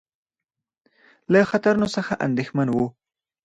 له خطرونو څخه اندېښمن وو.